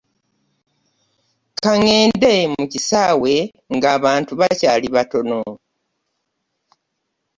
Kangende mu kisaawe nga abantu bakyaali batono.